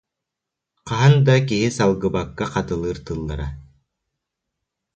Хаһан да киһи салгыбакка хатылыыр тыллара